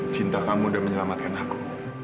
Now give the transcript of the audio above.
cinta kamu dan menyelamatkan aku